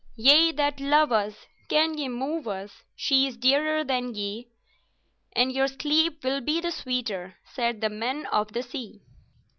"'Ye that love us, can ye move us? She is dearer than ye; And your sleep will be the sweeter,' Said The Men of the Sea."